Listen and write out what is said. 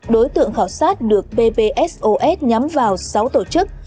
đối tượng khảo sát được ppsos nhắm vào sáu tổ chức